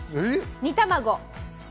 煮卵！